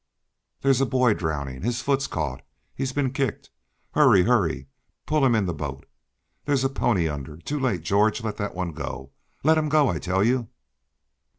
There's a boy drowning his foot's caught he's been kicked Hurry! Hurry! pull him in the boat There's a pony under Too late, George, let that one go let him go, I tell you!"